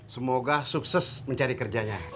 semoga sukses mencari kerjanya